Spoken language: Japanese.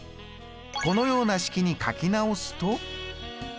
このような式に書き直すと。